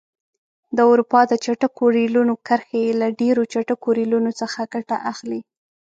د اروپا د چټکو ریلونو کرښې له ډېرو چټکو ریلونو څخه ګټه اخلي.